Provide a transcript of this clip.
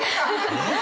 えっ？